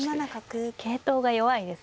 桂頭が弱いですねこれ。